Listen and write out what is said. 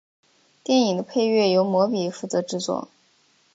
电影的配乐由魔比负责制作。